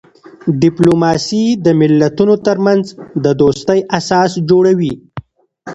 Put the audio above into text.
ډیپلوماسي د ملتونو ترمنځ د دوستۍ اساس جوړوي.